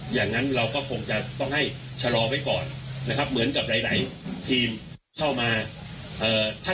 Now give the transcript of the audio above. อย่างนั้นเราก็คงจะต้องให้ชะลอไว้ก่อนนะครับเหมือนกับหลายหลายทีมเข้ามาเอ่อถ้า